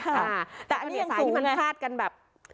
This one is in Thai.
ค่ะแต่อันนี้อย่างสูงไงเนี่ยสายที่มันพลาดกันแบบ